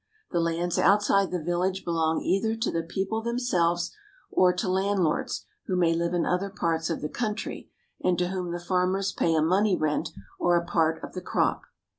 The lands outside the village belong either to the people themselves or to landlords who may live in other parts of the country and to whom the farmers pay a money rent or a part of the crop.